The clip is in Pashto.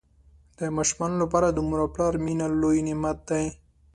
د ماشومانو لپاره د مور او پلار مینه لوی نعمت دی.